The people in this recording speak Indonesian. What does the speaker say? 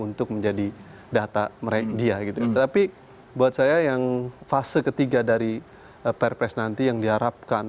untuk menjadi data dia gitu tapi buat saya yang fase ketiga dari perpres nanti yang diharapkan